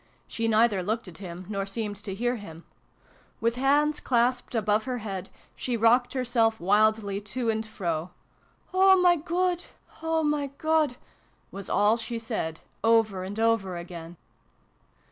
She neither looked at him nor seemed to hear him. With hands clasped above her head, she rocked her self wildly to and fro. " Oh my God ! Oh my God !" was all she said, over and over again.